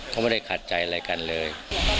เขาไม่ได้ขัดใจอะไรกันเลย